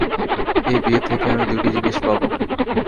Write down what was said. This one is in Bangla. এই বিয়ে থেকে, আমি দুটি জিনিস পাবো।